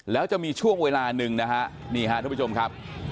แล้วจะมีช่วงเวลาหนึ่งทุกผู้ชมครับ